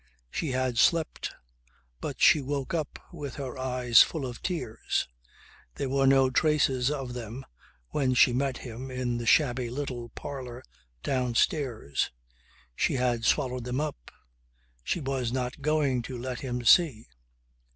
She had slept but she woke up with her eyes full of tears. There were no traces of them when she met him in the shabby little parlour downstairs. She had swallowed them up. She was not going to let him see.